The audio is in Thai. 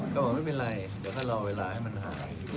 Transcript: ก็บอกไม่เป็นไรเดี๋ยวถ้ารอเวลาให้มันหาย